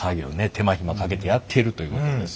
手間暇かけてやっているということですよ。